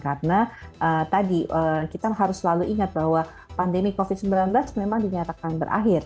karena tadi kita harus selalu ingat bahwa pandemi covid sembilan belas memang dinyatakan berakhir